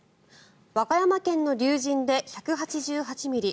和歌山県の龍神で１８８ミリ